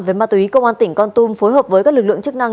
về ma túy công an tỉnh con tum phối hợp với các lực lượng chức năng